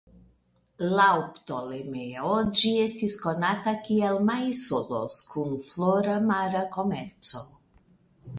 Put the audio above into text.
Laŭ Ptolemeo ĝi estis konata kiel Maisolos kun flora mara komerco.